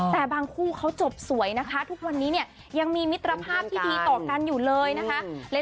แต่บางคู่เขาจบสวยนะคะทุกวันนี้เนี่ยยังมีมิตรภาพที่ดีต่อกันอยู่เลยนะคะ